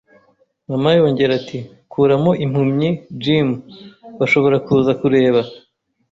Mama yongorera ati: “Kuramo impumyi, Jim!” “Bashobora kuza kureba